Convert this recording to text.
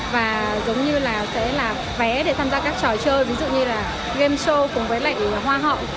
và giống như là sẽ là vé để tham gia các trò chơi ví dụ như là game show cùng với lại hoa hậu